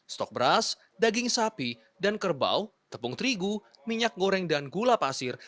stok beras daging sapi dan kerbau tepung terigu minyak goreng dan gula pasir